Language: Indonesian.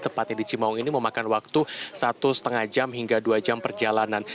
tepatnya di cimaung ini memakan waktu satu lima jam hingga dua jam perjalanan